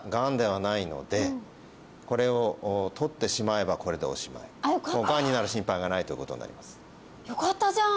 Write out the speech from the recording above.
ただこれを取ってしまえばこれでおしまいがんになる心配がないということになりますよかったじゃん